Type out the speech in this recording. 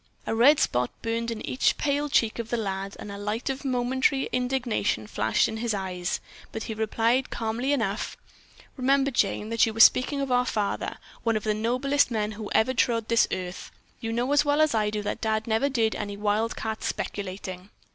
A red spot burned in each pale cheek of the lad and a light of momentary indignation flashed in his eyes, but he replied calmly enough: "Remember, Jane, that you are speaking of our father, one of the noblest men who ever trod on this earth. You know as well as I do that Dad never did any wildcat speculating."